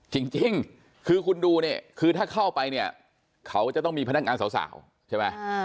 จริงคือคุณดูเนี่ยคือถ้าเข้าไปเนี่ยเขาก็จะต้องมีพนักงานสาวใช่ไหม